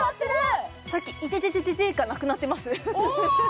さっきイテテテがなくなってます